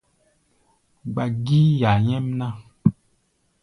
Gba gíí ya nyɛ́mná!